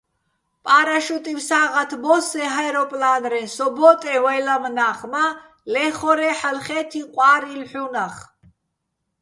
პა́რაშუტივ სა́ღათ ბო́სსეჼ ჰე́როპლა́ნრეჼ, სო ბო́ტეჼ ვაჲ ლამნა́ხ, მა, ლე́ხორე́, ჰ̦ალო̆ ხე́თიჼ ყვა́რილ ჰ̦უნახ.